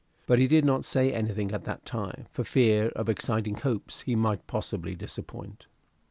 But he did not say anything at that time, for fear of exciting hopes he might possibly disappoint.